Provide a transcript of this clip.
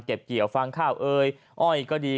เกี่ยวฟังข้าวเอยอ้อยก็ดี